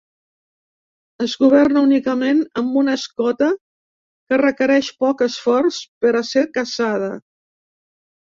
Es governa únicament amb una escota que requereix poc esforç per a ser caçada.